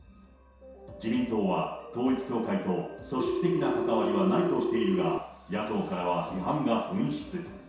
自民党は統一教会と組織的な関わりはないとしているが、野党からは批判が噴出。